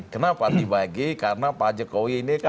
kenapa dibagi karena pak jokowi ini kan